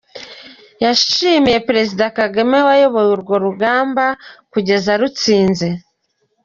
Yashimye Perezida Kagame wayoboye rwo rugamba kugeza arutsinze.